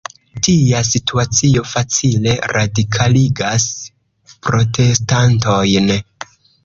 Tia situacio facile radikaligas protestantojn.